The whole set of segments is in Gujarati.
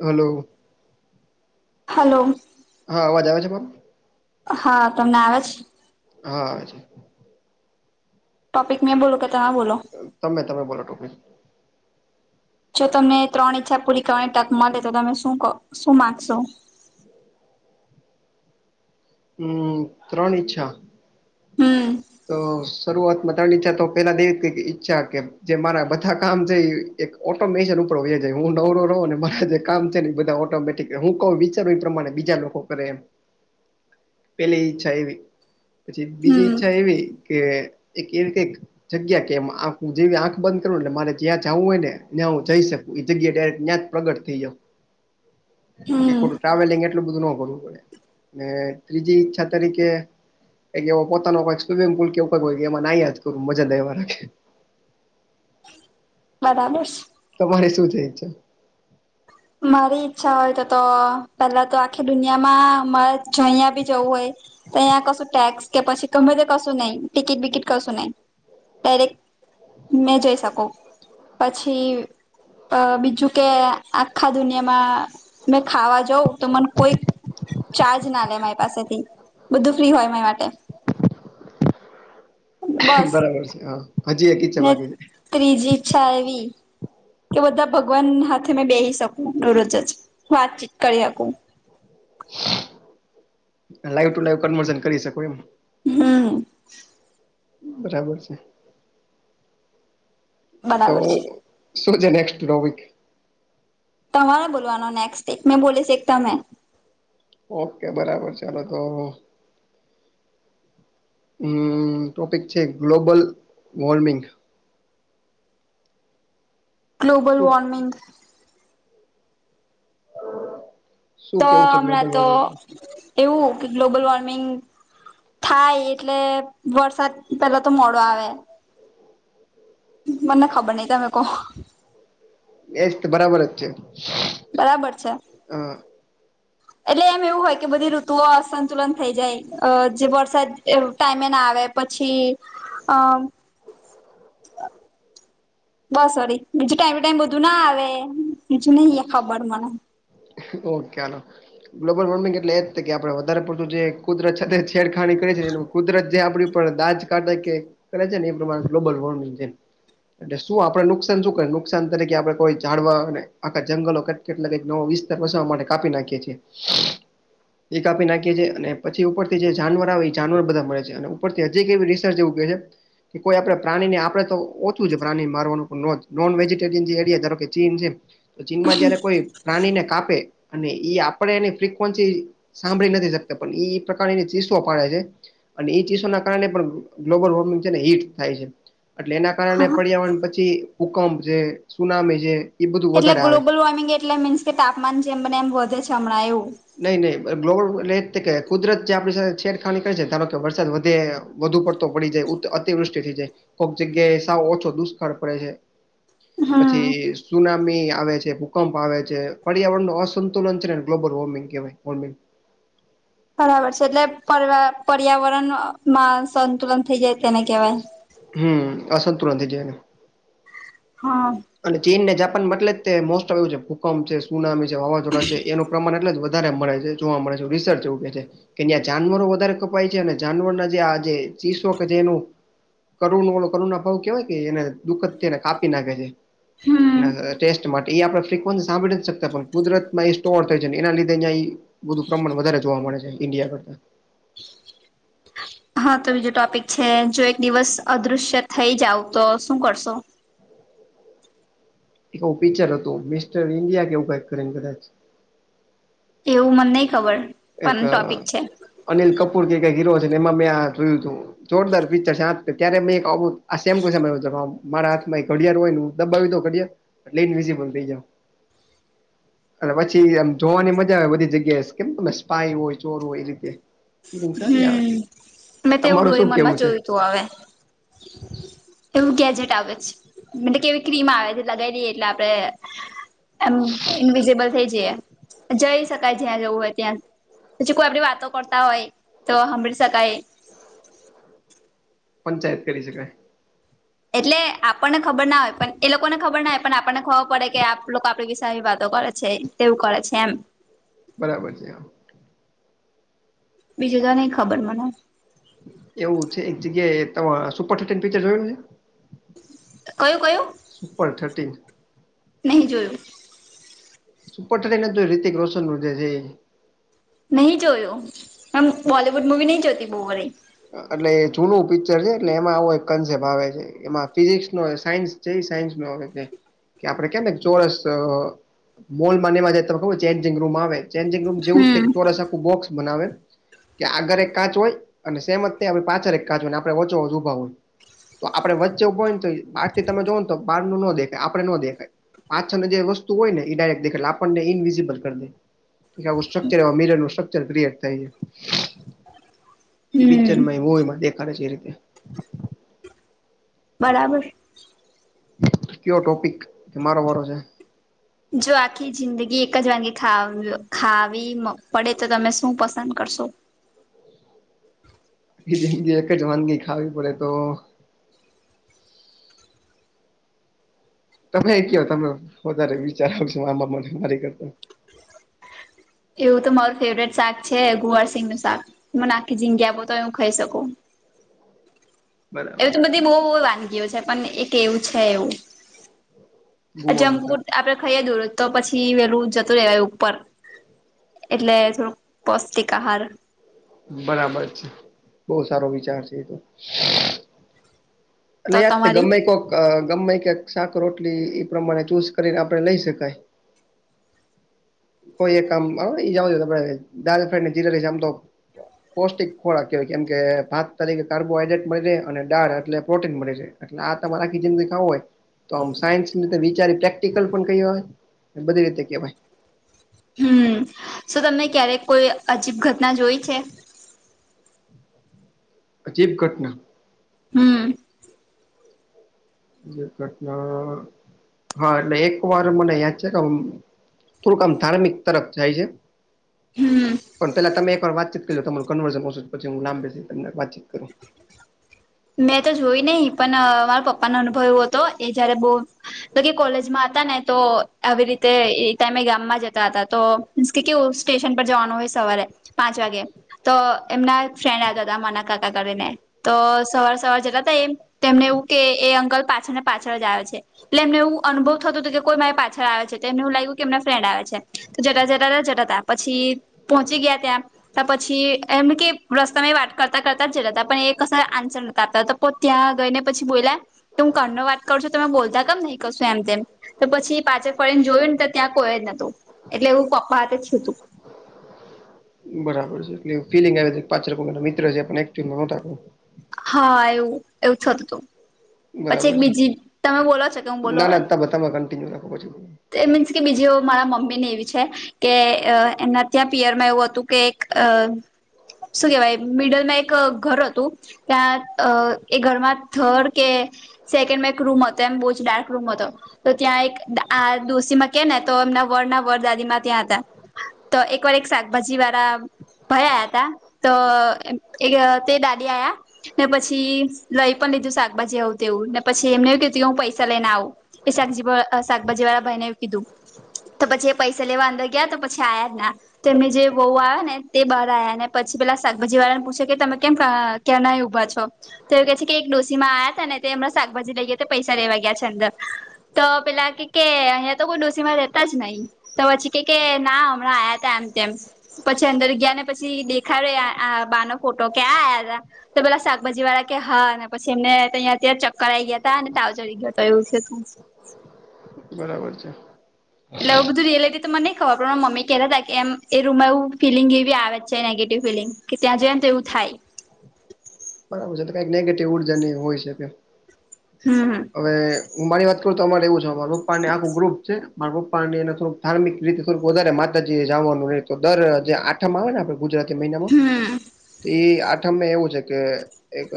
હલો. હલો. હા અવાજ આવે છે બમ હા તમને આવે છે. હા આવે છ. ટોપિક મેં બોલો કે ત આ બોલો. તમે તમે બોલો ટોપીક જો તમને ત્રણ ઈચ્છા પૂરી કરવાની તક મલે તો તમે શું કો સુ માગશો હમમ ત્રણ ઈચ્છા. હમ. તો શરૂઆતમાં ત્રણ ઈચ્છા તો પેલા બી કે ઈચ્છા હતી એમ જે મારા બધા કામ છે એ ઓટોમેશન ઉપર વયા હું નવરો ના હોઉં ને મારા જે કામ છે ને બધા ઓટોમેટ કે હું કવ વિચારું એ પ્રમાણે બીજા લોકો કરે એમ [inaudible] પેલી ઈચ્છા એવી પછી બીજી હમ ઈચ્છા એવી કે એક કંઈક. જગ્યા કે એમ આંખ જેવી આંખ બંધ કરું એટલે મારે જ્યાં જવું હોય ને ત્યાં હું જઈ શકું એ જગ્યા ડાયરેક્ટ ત્યાં પ્રગટ થઈ જાવ‌. [inaudible] હમ બિફોર ટ્રાવેલિંગ એટલું બધું નો કરવું પડે. ને ત્રીજી ઈચ્છા તરીકે એક એવો પોતાનો હોઈ સ્વિમિંગ પૂલ કે એમ કેવ હોય એમાં નાયાદ કરું મજા લે મા રાખે બરાબર છે. તમારે સુ છે ઇચ્છા? મારી ઈચ્છા હોય તોતો પેલા તો આખી દુનિયામાં મારે જઈયા બી જવું હોય અહીંયા કશું ટેક્સ કે પછી ગમે તે કશું નહીં ટિકિટ બિકિટ કશું નહીં ડાયરેક મેં જઈ શકું પછી અ બીજું કે આ આખા દુનિયામાં મે ખાવા જવ તો મને કોઈક ચાર્જ ના લે મારી પાસેથી બધું ફ્રી હોય મારી માટે બસ બરાબર છે હા હજી એક ઇચ્છા ને બાકી છે. ત્રીજી ઈચ્છા એવી. કે બધા ભગવાન હાથે મે બેહી શકું દરરોજ જ વાતચીત કરી હકું. લાઈવ ટુ લાઈવ કન્વર્શન કરી શકો એમ. હમ્મ. બરાબર છે. તો બરાબર છે શું છે નેક્સ્ટ ટોપીક? તમારે બોલવાનો નેક્સ્ટ એક મેં બોલીશ એક તમે. ઓકે બરાબર ચલો તો હમ્મ ટોપિક છે ગ્લોબલ વોર્મિંગ. ગ્લોબલ શું વોર્મિંગ. શું તો કેવું છે હમણાં ગ્લોબલ તો વોર્મિંગ એવું કે ગ્લોબલ વોર્મિંગ થાય એટલે વરસાદ પેલા તો મોડો આવે. મને ખબર નઈ તમે કો. એજ તો બરાબર જ છે. બરાબર છે. અ એટલે એમ એવું હોય કે બધી ઋતુઓ અસંતુલન થઈ જાય અ જે વરસાદ એવું ટાઈમે ના આવે પછી અ [inaudible] બસ સરી બીજું ટાઈમ ટુ ટાઈમ બધું ના આવે બીજું નહિ ખબર મને. ઓકેનો. ગ્લોબલ વોર્મિંગ એટલે એ જ કે આપડે વધારે પડતું જે કુદરત છેડખાણી કરી છે એનું કુદરત જે આપણી ઉપર દાજ કાઢ કે કરે છે ને એ પ્રમાણે ગ્લોબલ વોર્મિંગ છે. એટલે શું આપડે નુકસાન શું કર નુકસાન તરીકે આપણે કોઈ ઝાડવા અને આખા જંગલો કેટલા નો. વિસ્તાર વસાવા માટે કાપી નાખીએ છીએ. એ કાપી નાખી છીએ અને પછી ઉપરથી જે જાનવર આવે એ જાનવર બધા મળે છે અને ઉપર કે જે રિસર્ચ એવું કે છે. કે કોઈ આપણે પ્રાણીને આપણેે તો ઓછું છે પ્રાણી મારવાનુ નોન વેજીરયનિયા જે એરિયા ધારોકે ચીન છે. તો ચીનમાં જયારે કોઈ પ્રાણીને કાપે અને એ આપણે એની ફ્રિકવન્સી સાંભળી નથી શકતો પણ ઇ પ્રકાર ચીસ્સો પાડે છે. અને એ ચીસોના કારણે પણ ગ્લોબલ વોર્મિંગ છે ને હીટ થાય છે. એટલે એના કારણે હા પર્યાવરણ પછી ભૂકંપ છે સુનામી છે. એ બધું એટલે વધારે આવે ગ્લોબલ વોર્મિંગ એટલે મીન્સ કે તાપમાન જેમ બને એમ વધે છે હમણાં એવું. નહી નહીં ગ્લો એટ કુદરત જે આપણી સાથે છેડખાની કરે છે ધારો કે વરસાદ વધે. વધુ પડતો પડી જાય અતિવૃષ્ટિ થઈ જાય કોઈક જગ્યાએ સાવ ઓછો દુષ્કળ પડે છે. હમ પછી. સુનામી આવે છે ભૂકંપ આવે છે પર્યાવરણ નું અસંતુલન છે ને ગ્લોબલ વોર્મિંગ કેવાય વોર્મિંગ. બરાબર છે એટલે પર પર્યાવરણમાં સંતુલન થઈ જાય તેને કહેવાય. હમ્મ અસંતુલન થઈ જાયને. હા. અને ચીન ને જાપાન મળે જ તે મોસ્ટ ઓફ આવું છે ભૂકંપ છે, સુનામી છે, વાવાઝોડા છે એનું પ્રમાણ એટલે જ વધારે મળે છે જોવા મળે છે રિસર્ચ એવું કે છે. કેં જાનવરો વધારે કપાય છે અને જાનવરના જે આ જે ચીસો કે જે એનું કરુણ વા કરુણ ના ભાવ કેવાય કે એને દુઃખદ એને નાખે છે. હમ્મ. એના ટેસ્ટ માટે એ આપણે ફ્રિકવન્સી સાંભળી શકતા પણ કુદરત એ સ્ટોર થઈ છે ને એના લીધે અહીં બધું પ્રમાણ વધારે જોવા મળે છે ઇન્ડિયા કરતા હા તો બીજો ટોપિક છે જો એક દિવસ અદૃશ્ય થઈ જાવ તો શું કરશો? એકું પિક્ચર હતું મિસ્ટર ઇન્ડિયા કેવું કઈક કરીને કદાચ. એવું મને નહી ખબર. એક પણ અ ટોપિક છે અનિલ કપૂર કે ક હીરો છે એમાં મેં જોયું જોરદાર પિક્ચર છે ત્યારે મે એક આવું આ સેમ ટુ સેમ મારા હા માં એક ઘડિયાળ હોય ને દબાવ્યું તો ઘડિયાળ ઈન વીઝિબલ થઈ જાવ. અને પછી એમ જોવાની મજા આવે બધી જગ્યાએ કેમ તને પાય હોય ચોર હોય એ રીતે ફિલિંગ સારી આવે હમ્મ મેં તેવું તમારું ડોળી શું કેવું મોનમાં છે જોયું તું હવે. એવું ગેજેટ આવે છે ને બધી કે એવી ક્રીમ આવે છે લગાવી દઈએ એટલે આપડે એમ ઇનવિઝિબલ થઇ જઈએ. જઈ શકાય જ્યાં જવું હોય ત્યાં પછી કોઈ આપડી વાતો કર તા હોય તો સાંભળી શકાય. પંચાયત કરી શકાય. એટલે આપણને ખબર ના હોય પણ એ લોકોને ખબર ના હોય પણ આપણને ખબર પડે કે આપ લોકો આપડી વિશે આવી વાતો કરે છે. તેવું કરે છે એમ. બરાબર છે આમ. બીજું તો નઈ ખબર મને. એવું છે એક જગ્યાએ તમે સુપર થીથન પિકચર જોયું હે તમે? કયું કયું? Super thirteen. નહીં જોયું. સુપરી થર્ટીન નથ જોયું રીતીક રોશન નું છે ઈ? નહીં જોયુ, એમ બોલીવૂડ મૂવી નહીં જોતી બહુ વળ. એટલે એ જૂનું પિક્ચર છે એટલે એમાં આવો એક કન્સેપ્ટ આવે છે એમાં ફિઝિક્સ નો સાયન્સ જે સાયન્સમાં આવે છે કે આપડે કેમ ચોરસ મોલમા ને એમાં ખબર ચેન્જિંગ રૂમ આવે? ચેન્જંગ રૂમ જેવું હમ ચોરસ આખું બોક્સ બનાવે કે આગળ એક કાચ હોય અને સેમત પાછળ એક કાચ હોયને આપે ઓચો ઓ ઊભા હોય. તો આપડે વચ્ચેભોય ને તો બાર થી તમે જો ને તો બાર નો દેખાય આપણે નો દેખાય. પાછાને જે વસ્તુ હોય ને ડાયરેક દેખે આપણને ઈનવિઝિબલ કરી દે. આવું સ્ટ્રકચરમીર નું સ્ટ્રક્ચર ક્રિએટ થાય છે. ઈ પિક્ચર હમ માં એવું હોય માં દેખાડે છે એ રીતે. બરાબર. કયો ટોપિક કે મારો વારો છે? જો આખી જિંદગી એક જ વાગે ખાવ ખાવી પડે તો તમે શું પસંદ કરશો? આખી જિંદગી એક જ વાનગી ખાવી પડે તો તમે કે તમે વધારે વિચારવ છો મા બા મને મારી કરતા. એવું તો મારું ફેવરેટ શાક છે ગુવારસિંગ નું શાક. મને આખી જિંદગી આપો તોય હું ખઈ શકું. બરાબર એવી તો છે, બધી બહુ બવ વાનગીઓ છે પણ એક એવું છે એવું. ગુવાનું સર જેમપુર આપડે ખાઈએ દું તો પછી વેલું જતું રેવા ઉપર. એટલે થોડુંક પૌષ્ટિક આહાર. બરાબર છે. બહુ સારો વિચાર છે એતો. એલે તો યાદ તમારી ગમે કોક ગમે ઈ ક્યાંક શાક રોટલી ઈ પ્રમાણે ચૂઝ કરીને આપણે લઈ શકાય. કોઈ એક કામ આવે ઈજ આવે દાલ ફ્રાઈડને જીરા રાઈશ આમ તો પૌષ્ટિક ખોરાક કેવાય કેમ કે ભાત તરીકે કાર્બોહાઈડ્રેટ મળી રહે અને દાળ એટલે પ્રોટીન મળી રે એટલે આ તમારે આખી જિંદગી ખાવું હોય તો આમ સાયન્સની રીતે વિચારી પ્રેક્ટિકલ પણ કઈ હવે ને બધી રીતે કેવાય. હમ શું તમને ક્યારેક કોઈ અજીબ ઘટના જોઈ છે? અજીબ ઘટના? હમ અજીબ ઘટના હા એટલે એકવાર મને યાદ છે કે હું થોડુંક આમ ધાર્મિક તરફ જાય છે. હમ પન પેલા તમે એકવાર વાતચીત કર લો તમારું કન્વર્ઝન ઓછું પછે હું લાંબે થીને તમને વાતચીત કરું. મેં તો જોઈ નહી પન મારા પપ્પાનો અનુભવ એવો હતો એ જયારે બહુ તો કે કોલેજમાં હતા ને તો આવી રીતે એ ટાઈમે ગામમાં જતા હતા તો મીન્સ કે કેવું સ્ટેશન પર જવાનું હોય સવારેે પાંચ વાગે. તો એમના ફ્રેન્ડ આવતા તા માનાકાકા કરીને તો સવાર સવાર જતાતા એમ તેમને એવું કે એ અંકલ પાછળને પાછળ જ આવે છે. એટલે એમને એવું અનુવત થતો તો કે કોઈ મારી પાછળ આવે છે. તો એમને એવું લાગ્યું કે એમના ફ્રેન્ડ આવે છે. તો જતા જતા રયા જતાતા પછી પહોંચી ગયા ત્યાં તો પછી એમ કે રસ્તાની વાટ કરતા કરતા જ જતા પણ એ કસે આન્સર નતા આપતા તો પો ત્યાં ગઈને પછી બોલ્યા કે હું કાનમાં વાત કરું છું તમે બોલતા કેમ નહી કશું એમ તેમ. તો પછી પાછળ ફરીને જોયું ને તો ત્યાં કોઈ જ નતું. એટલે એવું પપ્પા હાથે થયું તું. બરાબર છે એટલે એવી ફિલિંગ આવે છે કે પાછળ કોક એના મિત્ર છે પણ એક્ચ્યુલમાં નતા કોય. હા એવું એવું થતું તું. પછી બરાબર એક છે. બીજી તમે બોલો છો કે હું ના બોલું ના હવે. તમે તમે કન્ટિન્યુ રાખો પછી તે મીન્સ કે બીજી ઓ મારા મમ્મીને એવી છે. કે અ એમના ત્યાં પિયરમાં એવું હતું કે એક અ શું કેવાય મિડલમાં એક ઘર હતું. કે આ અ એ ઘરમાં થર કે સેકન્ડમાં એક રૂમ હતો એમ બહુ જ ડાર્ક રૂમ હતો. તો ત્યાં એક આ ડોસીમાં કે ને તો એમના વડના વર દાદીમાં ત્યાં હતા. તો એકવાર એક શાકભાજી વારા ઘરે આયાતા તો એક તે દાદી આયા. ને પછી લઈ પણ લીધું શાકભાજી આવું. તેવું ને પછી એમને હું કીધું કે હું પૈસા લઈને આવું શાકજી ભ શાકભાજી વાળાભાઈ ને એવું કીધું તો પછી એ પૈસા લેવા અંદર ગયા તો પછી આયા જ ના. તેમની જે વહુ આયાને તે બહાર આયા ને પછી પેલા શાકભાજી વાળાને પૂછે કે તમે કેમ અ ક્યારના એ ઉભા છો તો એવું કે છે કે એક ડોસીમાં આયાતા ને તો એમાં શાકભાજી લઈએ તો પૈસા લેવા ગયા છે અંદર તો પેલા કે કે અહીંયા તો કોઈ ડોસીમાં રેતા જ નહી. તો પછી કે કે ના હમણાં આયાતા એમ તેમ. પછી અંદર ગયાને પછી દેખાડે આ આ બાનો ફોટો કે આ આયાતા. તો પેલા શાકભાજી વાળા કે હા પછી એમને તં ત્યારે ચક્કર આવી ગયા હતા અનેને તાવ ચડી ગયો હતો એું છે તું. બરાબર છે. એટલે આવું બધું જોઈ લેતી તો મને ખબર પડે ને મમ્મી કેતાતા કે એમ એ રૂમમાં એવું ફિલિંગ એવી આવે જ છે નેગેટિવ ફિલિંગ કે ત્યાં જઈએને તો એવું થાય. બરાબર છે તો કાંઈક નેગેટિવ ઉર્જાને એ હોય છે ત્યાં. હમ હમ હવે હું મારી વાત કરું તો અમારે એવું છે મારા પપ્પાને આખું ગ્રુપ છે મારા પપ્પાને એને થોડુંક ધાર્મિક રીતે સ્વરૂપ વધારે માતાજીએ જવાનું નહીં તો દર જે આઠમાં આવે ને આપણે ગુજરાત મહિનામાં હમ ત આઠમ એવું છે કે એક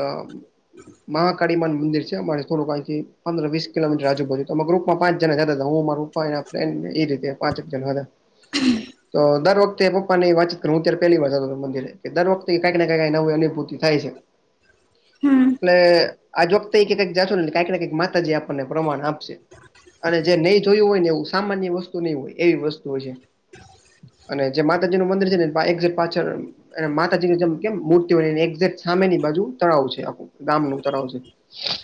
મહાકાળીમાન મંદિર છે અમારે થડું કંથી પંદર વસ કિલોમીટર આજુબાજુ તો અમે ગ્રુપમાં પાં જણા જતા હતા હું મારૂ [unintelligible] રીતે પાંચક હતા તો દર વખતે પપ્પાની વાચ હું અત્યારે પેલી વાર હતો મંદિરે કે દર વખતે કઈક ને કક નવી અનુભૂતિ થાય છે. હમ. એટલે આજ વખતે કક જાશો ને કઈકને કઈક માતાજી આપણને પ્રમાણ આપશે. અને જે નહીં જોયું હોય ને એવું સામાન્ય વસ્તુ નહી હોય એવી વસ્તુ હોય છે. અને જે માતાજી નું મંદિર છે નેઝેટ પાછળ. અને માતાજીની જેમ કેમ મૂર્તિઓની એેક સામેની બાજુ તળાવ છે આખું ગામ નું તળાવ છે.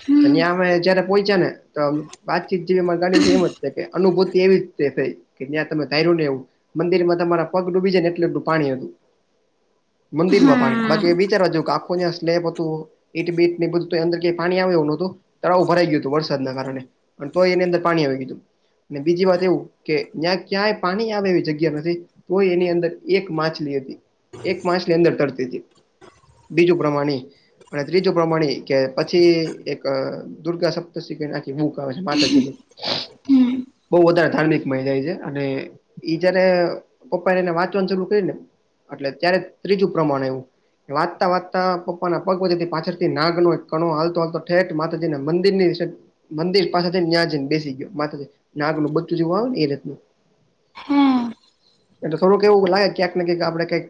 હમ [unintelligible] અમે જયારે પોહોચ્યા ને તો. વાતચીત જેવી મા ગાડી એમ જ છે કે અનુભૂતિ એવી રીતે થઈ કે જ્યાં તમે ધાર્યું ને એવું મંદિર માં તમારા પગ ડૂબી જાય ને એટલે એટલૂ પાણી હતું. મંદિરમાં પાણી બાકી એ હમ બીચાર બાજુ કા [unintelligible] સ્લેબ હતું ઈટ બીટ બઘુ અંદર ક પાણી આવે એવું ન હતું તળાવું ભરાઈ ગયું હતું વરસાદના કારણે તો એની અંદર પાણી આવી ગય હતું. અને બીજી વાત એવું કે જ્યાં ક્યાંય પાણી આવે એવી જગ્યા નથી. તોય એની અંદર એક માછલી હતી એક માછલી અંદર તરતી હતી. બીજું પ્રમાણે અને ત્રીજું પ્રમાણે કે પછી એક દુર્ગા સપ્તી બૂક આવે છે માતાજી ની હમ. બહુ વધારે ધાર્મિક મહિજાય છે અને ઈ જયારે પપ્પા એને વાંચવાનું ચરૂુ કરી ને એટલે ત્યારે ત્રીજું પ્રમાણ એવું વાત તા વાતા પપ્પના પગ પથી પાછળથી નાગનોો એક કણો હાલતો હાલતો ઠેઠ માતાજીના મંદિર ની મંદિર પાસે છે ને ત્યાં જ ને બેસી ગયો મા નાગનુંું બધું જેવું આવે ને એ રતનું. હમ એટ થોઙુક એવું લાગે ક્યાંક ને ક્યાંક આપડે કઈક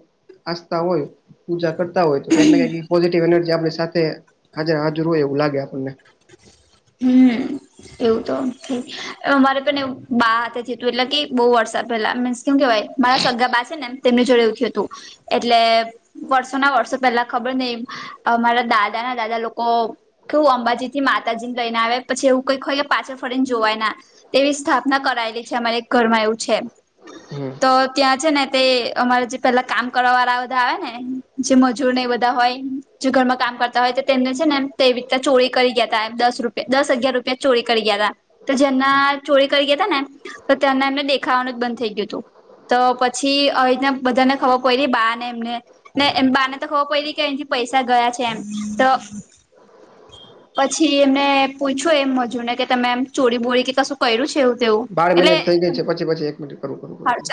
આસ્થા હોય પૂજા કર તા હોય તો ક્યાંકને કંક પોઝિટિવ એનર્જી આપણી સાથે હાજર હોય એવું લાગે આપણને. હમ. એવું તો થય અરે પણ એું બા હાથે થયતું એટલે કે બહુ વર્ષ પેલા મીન્સ કેમ કેહેવાય મારા સગા પાસે ને તેમની જોડે એવખ્યું હતું. એટલે વર્ષો ના વર્ષો પેલા ખબર નહિ. અમારા દાદા ના દાદા લોકો કેવું અંબાજી થી માતાજી લઈને આવે પછી એવું કઈક હોય કે પાછળ ફડી ને જોવાય ના તેવી સ્થાપના કરાયેલી છે અમારે એક ઘરમાં એવું છે હમ તો ત્યાં છે ને તે અમારે જે પેલા કામ કરવા વાળા બધા આવે ને જે મજૂર ને એ બધા હોય. જો ઘરમાં કામ કરતા હોય તો તેમને છે એમ તે રીતે ચોરી કરી ગયા હતા એમ દસ રૂપ દસ હગયાર રૂપિયા ચોરી કરી ગયા હતા તો જેમના ચોરી કરી ગયા હતા ને. તો તને એમને દેખાવાનું જ બંધ થઈ ગયું હતું. તો પછી આવી રીના બધાને ખબર પડી બાને એમને. ને એમ બા ને તો ખબર પયડી કે એથી પૈસા ગયા છે એમ તો. પછી એમને પૂછો એમ મજુને કે તમે એમ ચોરી બોરી કે ક શું કર્યું છે એવું તેવું બાર એટલે મિનિટ થઈ ગઈ છે પછી પછી એક મિનિટ કરું કરું કરું હ